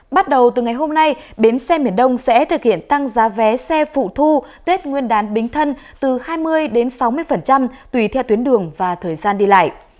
bắt đầu từ ngày hôm nay bến xe miền đông sẽ thực hiện tăng giá vé xe phụ thu tết nguyên đán bính thân từ hai mươi đến sáu mươi tùy theo tuyến đường và thời gian đi lại